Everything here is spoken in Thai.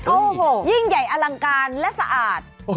โอ้โหยิ่งใหญ่อลังการและสะอาด